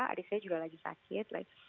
adik saya juga lagi sakit